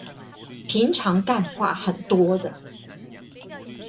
平常幹話很多的